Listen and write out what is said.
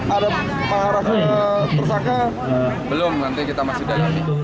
ada orang tersangka belum nanti kita masih dapet